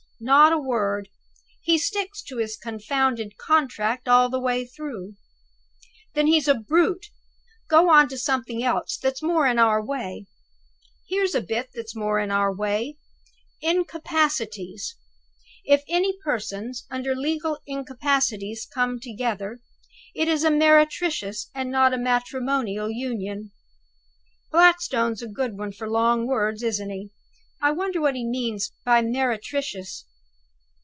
"Not a word. He sticks to his confounded 'Contract' all the way through." "Then he's a brute! Go on to something else that's more in our way." "Here's a bit that's more in our way: 'Incapacities. If any persons under legal incapacities come together, it is a meretricious, and not a matrimonial union.' (Blackstone's a good one at long words, isn't he? I wonder what he means by meretricious?)